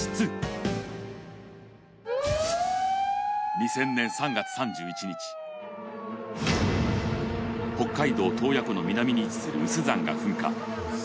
２０００年３月３１日、北海道・洞爺湖の南に位置する有珠山が噴火。